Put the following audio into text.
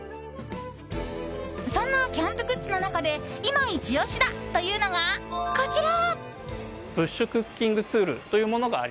そんなキャンプグッズの中で今、イチ押しだというのがこちら。